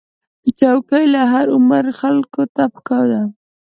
چوکۍ له هر عمر خلکو ته پکار ده.